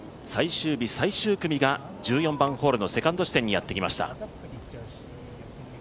最終日最終組が１４番ホールのセカンド地点にやってきました。